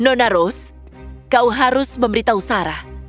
nona rose kau harus memberitahu sarah